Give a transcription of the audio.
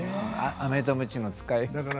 アメとムチの使い方が。